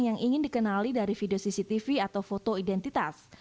yang ingin dikenali dari video cctv atau foto identitas